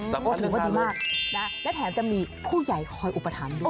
โอ้โหถือว่าดีมากและแถมจะมีผู้ใหญ่คอยอุปถัมภ์ด้วย